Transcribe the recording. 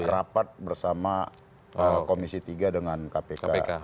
rapat bersama komisi tiga dengan kpk